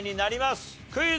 クイズ。